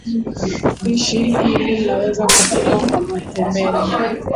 Pishi hili laweza kupikwa kwa matembele